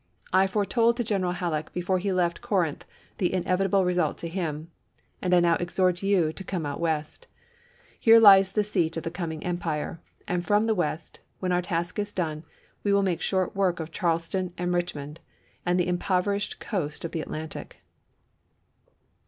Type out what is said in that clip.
I fore told to Gfeneral Halleck before he left Corinth the inevitable result to him, and I now exhort you to come out West. Here lies the seat of the coming ^^^^^^^^^ empire ; and from the West, when our task is done, March*io, we will make short work of Charleston and "Memoirs Richmond, and the impoverished coast of the sherman." Atlantic."